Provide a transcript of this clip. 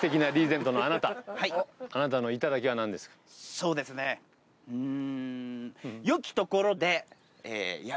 そうですねうん。